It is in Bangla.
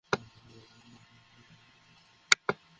নবী সাল্লাল্লাহু আলাইহি ওয়াসাল্লামের দিকে তাঁদের দৃষ্টি আটকে গেল।